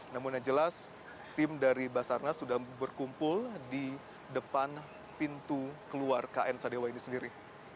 namun yang jelas tim dari basarnas sudah berkumpul di depan pintu keluar kn sadewa ini sendiri